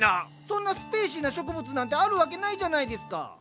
そんなスペイシーな植物なんてあるわけないじゃないですか。